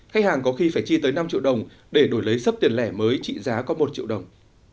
khách hàng có khi phải chi tới năm triệu đồng để đổi lấy sấp tiền lẻ mới trị giá có một triệu đồng